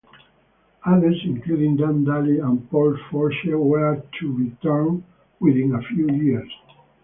Others, including Dan Daly and Paul Foelsche, were to return within a few years.